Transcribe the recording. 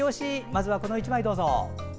まずはこの１枚、どうぞ。